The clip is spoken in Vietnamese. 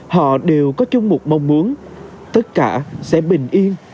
họ đều có chung một mong muốn tất cả sẽ bình yên